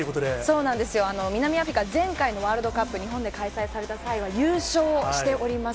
そうなんですよ、南アフリカ、前回のワールドカップ、日本で開催された際は優勝しております。